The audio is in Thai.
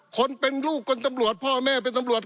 คนเป็นลูกคนตำรวจพ่อแม่เป็นตำรวจ